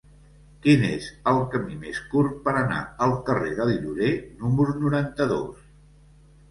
Quin és el camí més curt per anar al carrer del Llorer número noranta-dos?